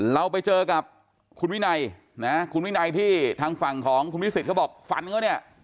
เราไปเจอกับคุณวินัยนะคุณวินัยที่ทางฝั่งของคุณวิสิทธิเขาบอกฟันเขาเนี่ย